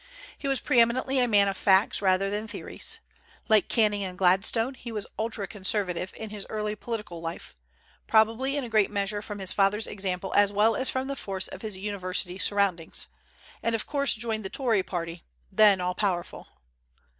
He was pre eminently a man of facts rather than theories. Like Canning and Gladstone, he was ultra conservative in his early political life, probably in a great measure from his father's example as well as from the force of his university surroundings, and, of course, joined the Tory party, then all powerful.